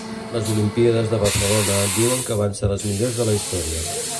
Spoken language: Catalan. Les olimpíades de Barcelona diuen que van ser les millors de la Història